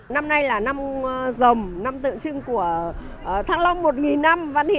năm nay là năm rồng năm tượng trưng của tháng long một năm văn hiến